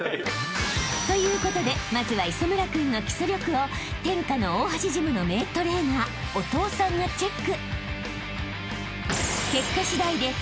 ［ということでまずは磯村君の基礎力を天下の大橋ジムの名トレーナーお父さんがチェック］